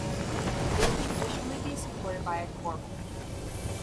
It would traditionally be supported by a corbel.